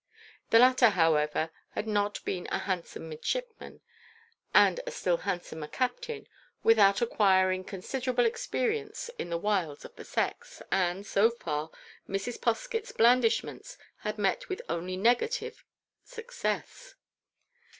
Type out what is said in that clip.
The latter, however, had not been a handsome midshipman, and a still handsomer Captain, without acquiring considerable experience in the wiles of the sex, and, so far, Mrs. Poskett's blandishments had met with only negative success.